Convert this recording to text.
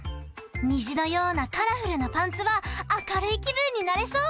にじのようなカラフルなパンツはあかるいきぶんになれそう！